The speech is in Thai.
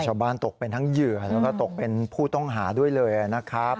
ตกเป็นทั้งเหยื่อแล้วก็ตกเป็นผู้ต้องหาด้วยเลยนะครับ